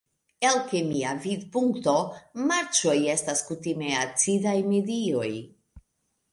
El kemia vidpunkto, marĉoj estas kutime acidaj medioj.